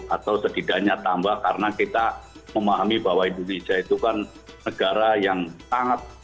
atau setidaknya tambah karena kita memahami bahwa indonesia itu kan negara yang sangat